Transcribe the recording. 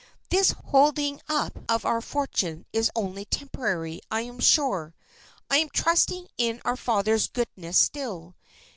"This holding up of our fortune is only temporary, I am sure. I am trusting in our Father's goodness still.